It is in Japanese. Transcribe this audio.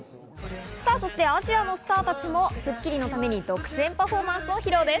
そしてアジアのスターたちも『スッキリ』のために独占パフォーマンスを披露です。